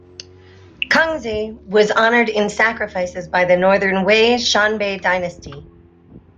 Kongzi was honored in sacrifices by the Northern Wei Xianbei dynasty.